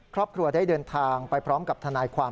ครอบครัวได้เดินทางไปพร้อมกับทนายความ